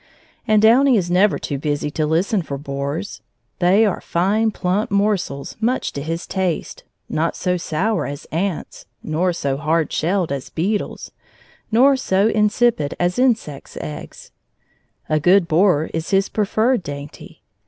And Downy is never too busy to listen for borers. They are fine plump morsels much to his taste, not so sour as ants, nor so hard shelled as beetles, nor so insipid as insects' eggs. A good borer is his preferred dainty.